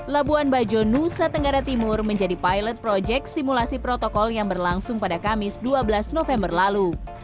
labuan bajo nusa tenggara timur menjadi pilot project simulasi protokol yang berlangsung pada kamis dua belas november lalu